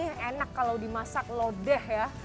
yang enak kalau dimasak lodeh ya